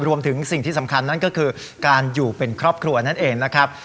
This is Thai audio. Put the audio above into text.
รวมถึงสิ่งที่สำคัญนั่นก็คือการอยู่เป็นครอบครัวนั่นเองนะครับ